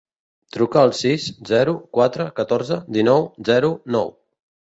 Truca al sis, zero, quatre, catorze, dinou, zero, nou.